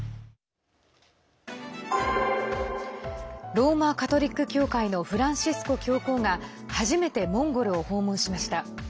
ローマ・カトリック教会のフランシスコ教皇が初めてモンゴルを訪問しました。